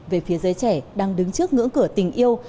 về phía giới trẻ đang đứng trước ngưỡng cửa tình yêu